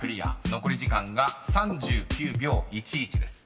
［残り時間が３９秒１１です］